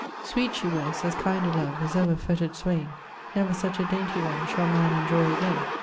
Sweet she was, as kind a love As ever fetter'd swayne; Never such a daynty one Shall man enjoy again.